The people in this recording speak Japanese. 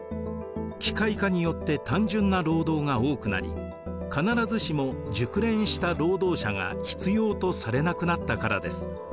機械化によって単純な労働が多くなり必ずしも熟練した労働者が必要とされなくなったからです。